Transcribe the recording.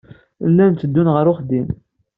Llan tteddun ɣer uxeddim.